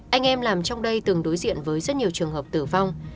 anh em làm trong đây từng đối diện với rất nhiều trường hợp tử vong